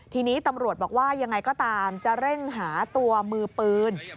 ทีนี้ตำรวจบอกว่ายังไงก็ตามจะเร่งหาตัวมือปืน